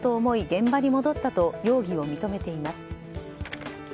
現場に戻ったと容疑を認めています。